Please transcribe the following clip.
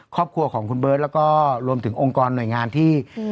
ครอบครัวของคุณเบิร์ตแล้วก็รวมถึงองค์กรหน่วยงานที่